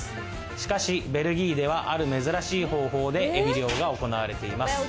しかし、ベルギーではある珍しい方法でエビ漁が行われています。